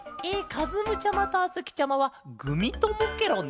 かずむちゃまとあづきちゃまはグミともケロね。